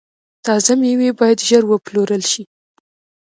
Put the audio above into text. تازه میوې باید ژر وپلورل شي.